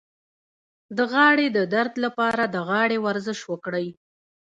د غاړې د درد لپاره د غاړې ورزش وکړئ